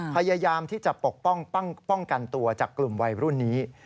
พยายามที่จะปกป้องกันตัวจากกลุ่มวัยรุ่นนี้